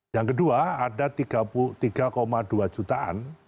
yang kedua ada tiga dua jutaan